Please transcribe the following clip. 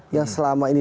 yang selama ini